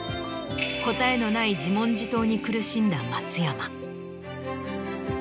答えのない自問自答に苦しんだ松山。